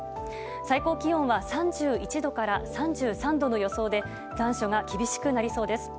最高気温は３１度から３３度の予想で残暑が厳しくなりそうです。